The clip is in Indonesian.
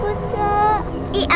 bakal berwarna heretulating ya